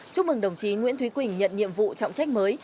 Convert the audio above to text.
chúc mừng đồng chí nguyễn thúy quỳnh nhận nhiệm vụ trọng trách mới